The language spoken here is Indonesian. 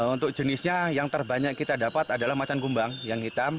untuk jenisnya yang terbanyak kita dapat adalah macan kumbang yang hitam